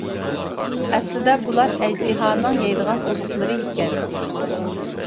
ئەسلىدە بۇلار ئەجدىھانىڭ يەيدىغان ئوزۇقلىرى ئىكەن.